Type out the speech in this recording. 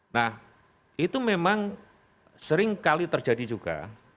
nah itu memang sering kali terjadi juga